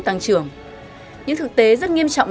tăng trưởng những thực tế rất nghiêm trọng